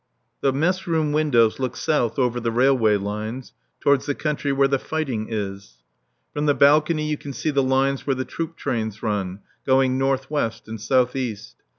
The mess room windows look south over the railway lines towards the country where the fighting is. From the balcony you can see the lines where the troop trains run, going north west and south east.